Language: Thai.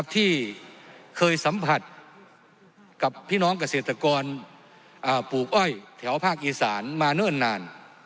ที่เคยสัมผัสกับพี่น้องเกษตรกรปลูกอ้อยแถวภาคอีสานมาเนิ่นนาน